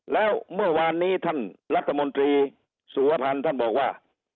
แล้วเมื่อวานนี้ท่านรัฐมนตรีสุวพันธ์ท่านบอกว่า